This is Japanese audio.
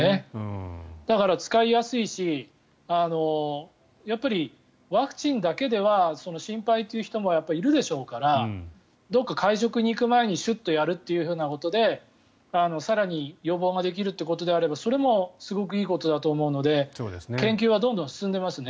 だから、使いやすいしワクチンだけでは心配という人もいるでしょうからどこか会食に行く前にシュッとやるということで更に予防ができるということであればそれもすごくいいことだと思うので研究はどんどん進んでいますね。